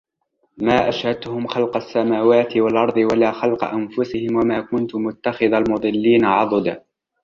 ما أشهدتهم خلق السماوات والأرض ولا خلق أنفسهم وما كنت متخذ المضلين عضدا